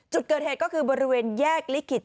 จุดเกิดเหตุก็คือบริเวณแยกลิขิต